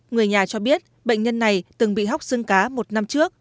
người nhà cho biết bệnh nhân này từng bị hóc xương cá một năm trước